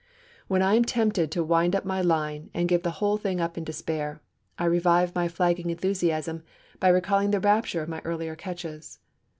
When I am tempted to wind up my line, and give the whole thing up in despair, I revive my flagging enthusiasm by recalling the rapture of my earlier catches.